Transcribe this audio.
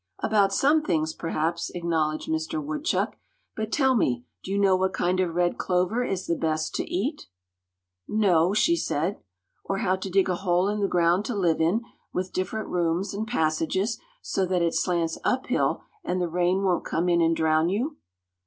"About some things, perhaps," acknowledged Mister Woodchuck. "But tell me: do you know which kind of red clover is the best to eat?" "No," she said. "Or how to dig a hole in the ground to live in, with different rooms and passages, so that it slants up hill and the rain won't come in and drown you?"